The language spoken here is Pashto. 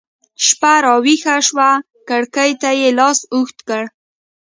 شپه راویښه شوه کړکۍ ته يې لاس اوږد کړ